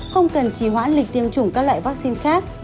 không cần chỉ hoãn lịch tiêm chủng các loại vaccine khác